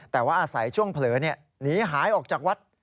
แต่ว่าอาศัยช่วงเผลอหนีหายออกจากวัด